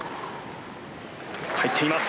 入っています。